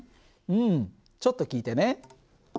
うんちょっと聞いてね。